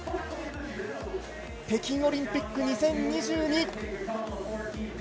北京オリンピック２０２２。